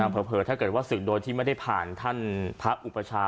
เผลอถ้าเกิดว่าศึกโดยที่ไม่ได้ผ่านท่านพระอุปชา